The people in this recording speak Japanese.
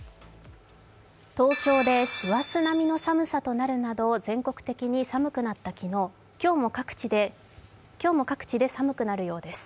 東京で師走並みの寒さとなるなど、全国的に寒くなった昨日、今日も各地で寒くなるようです。